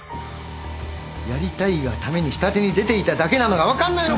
やりたいがために下手に出ていただけなのが分かんないのか！